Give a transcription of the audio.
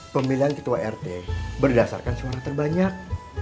pemilihan ketua rt berdasarkan suara terbanyak